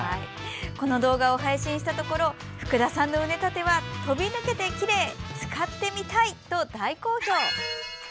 この動画を配信したところ「福田さんの畝立ては飛び抜けてきれい」「使ってみたい」と大好評。